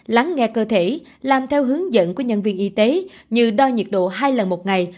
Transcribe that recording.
lắng nghe cơ thể làm theo hướng dẫn của nhân viên y tế như đo nhiệt độ hai lần một ngày